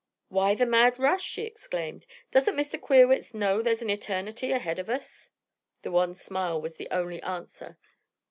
"Why the mad rush?" she exclaimed. "Doesn't Mr. Queerwitz know there's all eternity ahead of us?" A wan smile was the only answer.